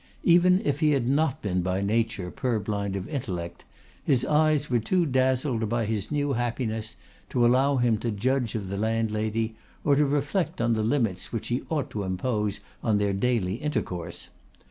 Even if he had not been by nature purblind of intellect, his eyes were too dazzled by his new happiness to allow him to judge of the landlady, or to reflect on the limits which he ought to impose on their daily intercourse.